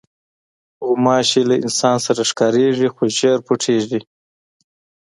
غوماشې له انسان سره ښکارېږي، خو ژر پټېږي.